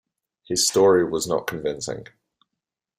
His story was not convincing.